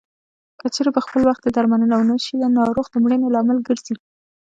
که چېرې پر خپل وخت یې درملنه ونشي د ناروغ د مړینې لامل ګرځي.